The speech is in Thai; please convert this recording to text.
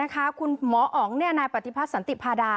คุณหมออ๋องนายปฏิพัฒน์สันติพาดา